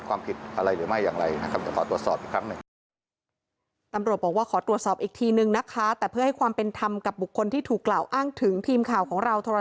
เขาไม่ได้เรียกเงินในเจ้าหน้าที่ของการทำหน้าที่ของเขา